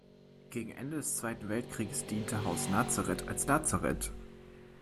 Gegen Ende des Zweiten Weltkrieges diente „Haus Nazareth“ als Lazarett.